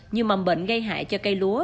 như mầm bệnh gây hại cho cây lúa